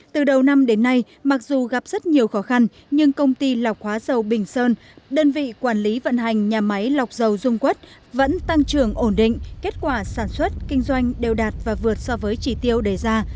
từ đầu năm đến nay mặc dù gặp rất nhiều khó khăn nhưng công ty lọc hóa dầu bình sơn đơn vị quản lý vận hành nhà máy lọc dầu dung quất vẫn tăng trưởng ổn định kết quả sản xuất kinh doanh đều đạt và vượt so với chỉ tiêu đề ra